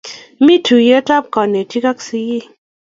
Mi tuyet ap kanetik ak sikik